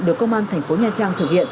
được công an thành phố nha trang thực hiện